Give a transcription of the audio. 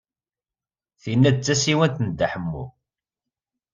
Tin d tasiwant n Dda Ḥemmu.